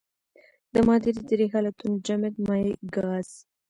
د مادې درې حالتونه جامد مايع ګاز.